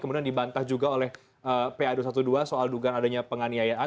kemudian dibantah juga oleh pa dua ratus dua belas soal dugaan adanya penganiayaan